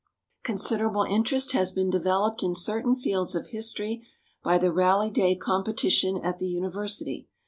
Considerable interest has been developed in certain fields of history by the Rally Day competition at the University.